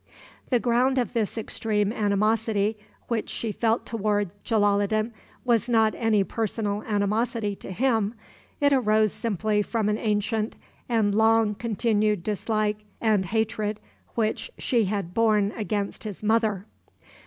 The ground of this extreme animosity which she felt toward Jalaloddin was not any personal animosity to him; it arose simply from an ancient and long continued dislike and hatred which she had borne against his mother!